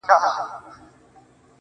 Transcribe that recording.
• ما د مرگ ورځ به هم هغه ورځ وي.